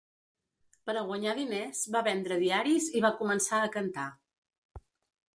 Per a guanyar diners va vendre diaris i va començar a cantar.